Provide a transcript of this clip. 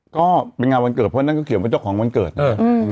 ก็เป็นงานวันเกิดเพราะนั่นก็เขียนเป็นเจ้าของวันเกิดนะ